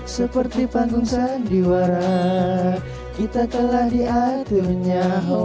seperti panggung sandiwara kita telah diaturnya